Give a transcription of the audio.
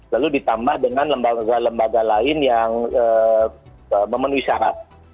lalu ditambah dengan lembaga lembaga lain yang memenuhi syarat